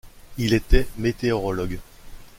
Il était météorologue.